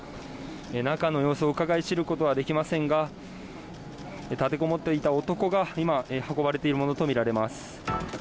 中の様子をうかがい知ることはできませんが立てこもっていた男が今運ばれているものとみられます。